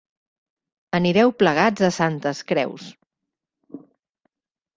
Anireu plegats a Santes Creus.